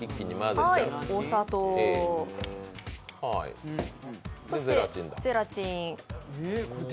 お砂糖、そしてゼラチン。